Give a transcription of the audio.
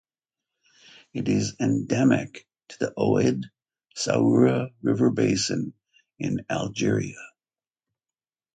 It is endemic to the Oued Saoura river basin in Algeria.